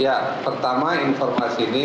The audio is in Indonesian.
ya pertama informasi ini